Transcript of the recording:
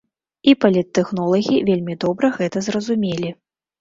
І паліттэхнолагі вельмі добра гэта зразумелі.